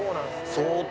相当。